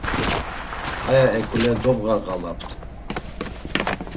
Aya eǩule dobğarğalapt.